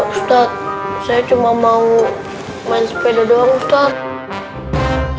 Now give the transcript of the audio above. ustadz saya cuma mau main sepeda doang staf